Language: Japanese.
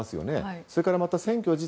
それから、選挙自体